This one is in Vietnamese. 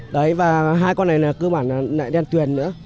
đấy và hai con này là cơ bản là lại đen tuyền nữa